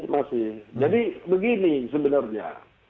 masih jadi begini sebenarnya